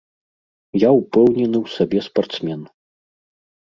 Я ўпэўнены ў сабе спартсмен.